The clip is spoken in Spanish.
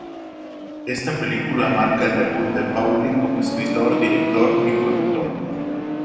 Esta película marca el debut de Pauly como escritor, director y productor.